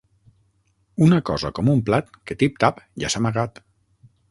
Una cosa com un plat que, tip-tap, ja s’ha amagat.